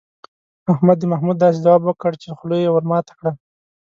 احمد د محمود داسې ځواب وکړ، چې خوله یې ور ماته کړه.